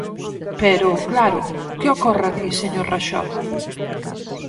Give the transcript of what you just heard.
Pero, claro, ¿que ocorre aquí, señor Raxó?